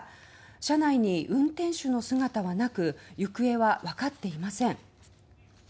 車内に運転手の姿はなく行方はわかっていません。